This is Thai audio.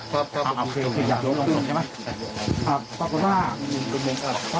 ใช่ค่ะ